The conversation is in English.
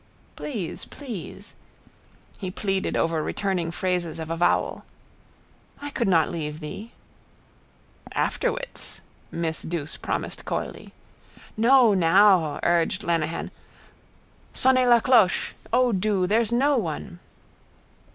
—Please, please. He pleaded over returning phrases of avowal. —I could not leave thee... —Afterwits, miss Douce promised coyly. —No, now, urged Lenehan. Sonnez la cloche! O do! There's no one.